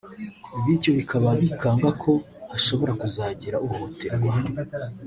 bityo bakaba bikanga ko hashobora kuzagira uhohoterwa